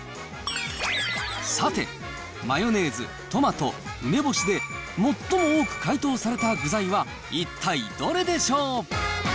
さて、マヨネーズ、トマト、梅干しで最も多く回答された具材は一体どれでしょう？